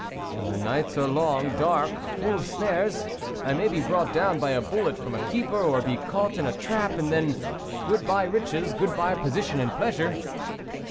" The nights are long, dark, full of snares ; I may be brought down by a bullet from a keeper, or be caught in a trap, and then good bye riches, good bye position and pleasure."